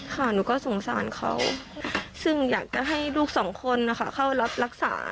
ข้ากูก็สงสารเขาซึ่งอยากให้ลูกสามคนเขารับรักษา